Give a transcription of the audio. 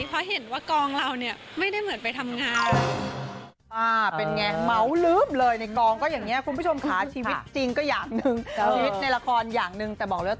เพราะเห็นว่ากองเราเนี่ยไม่ได้เหมือนไปทำงาน